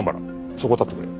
そこへ立ってくれ。